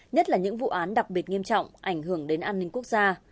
nhất là những vụ án đặc biệt nghiêm trọng ảnh hưởng đến an ninh quốc gia